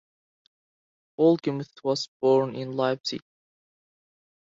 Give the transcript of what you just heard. Wohlgemuth was born in Leipzig.